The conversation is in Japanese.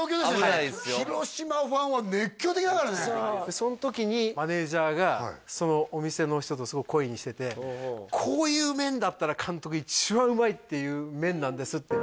はい広島ファンは熱狂的だからねその時にマネージャーがそのお店の人とすごく懇意にしててこういう麺だったら「監督一番うまいっていう麺なんです」って